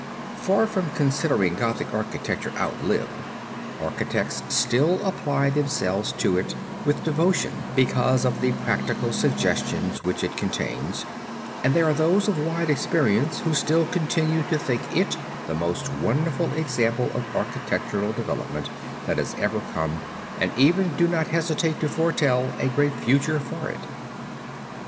Far from considering Gothic architecture outlived, architects still apply themselves to it with devotion because of the practical suggestions which it contains, and there are those of wide experience, who still continue to think it the most wonderful example of architectural development that has ever come, and even do not hesitate to foretell a great future for it.